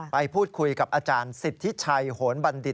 ไปพูดคุยกับอาจารย์สิทธิชัยโหนบัณฑิต